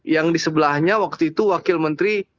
yang di sebelahnya waktu itu wakil menteri